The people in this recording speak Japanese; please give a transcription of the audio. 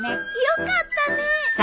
よかったね。